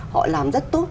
họ làm rất tốt